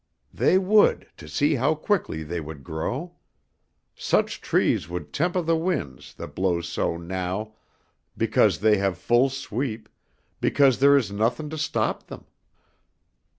"They would, to see how quickly they would grow. Such trees would tempah the winds that blow so now because they have full sweep, because there is nothin' to stop them.